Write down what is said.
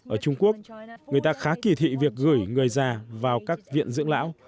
ở trung quốc người ta khá kỳ thị việc gửi người già vào các viện dưỡng lão